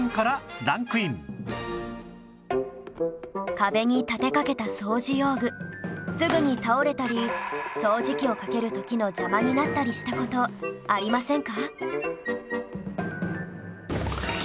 壁に立てかけた掃除用具すぐに倒れたり掃除機をかける時の邪魔になったりした事ありませんか？